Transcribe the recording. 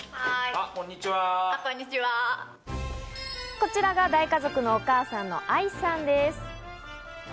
こちらが大家族のお母さんの愛さんです。